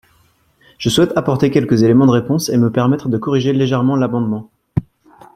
Je souhaite apporter quelques éléments de réponse et me permettre de corriger légèrement l’amendement.